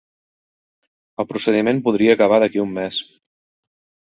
El procediment podria acabar d'aquí a un mes